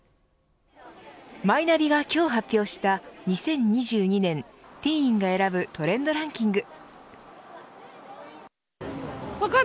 マイナビが今日発表した２０２２年ティーンが選ぶトレンドランキング。